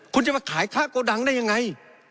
คุณจะมาขายค่าโกดังได้ยังไง